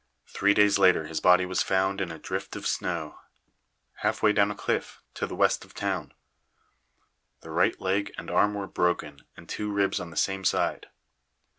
Three days later his body was found in a drift of snow, halfway down a cliff to the west of the town. The right leg and arm were broken and two ribs on the same side."